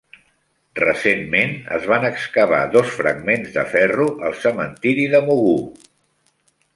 Recentment es van excavar dos fragments de ferro al cementiri de Mogou.